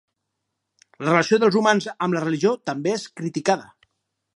La relació dels humans amb la religió també és criticada.